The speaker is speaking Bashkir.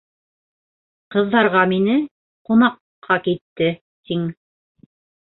Ҡыҙҙарға мине... ҡунаҡҡа китте тиң.